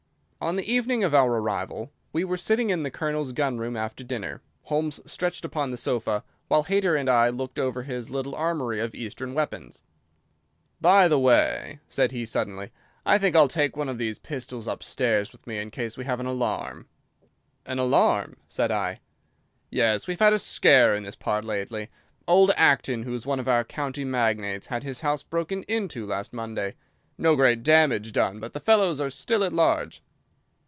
On the evening of our arrival we were sitting in the Colonel's gun room after dinner, Holmes stretched upon the sofa, while Hayter and I looked over his little armoury of fire arms. "By the way," said he suddenly, "I think I'll take one of these pistols upstairs with me in case we have an alarm." "An alarm!" said I. "Yes, we've had a scare in this part lately. Old Acton, who is one of our county magnates, had his house broken into last Monday. No great damage done, but the fellows are still at large."